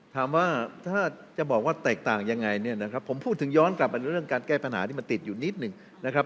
ถามว่าถ้าจะบอกว่าแตกต่างยังไงเนี่ยนะครับผมพูดถึงย้อนกลับไปเรื่องการแก้ปัญหาที่มันติดอยู่นิดหนึ่งนะครับ